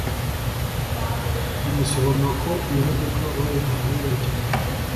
rinasobanura ko iyi modoka bayihawe bayikeneye